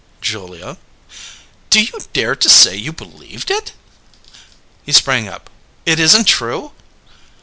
"Julia?" "Do you dare to say you believed it?" He sprang up. "It isn't true?"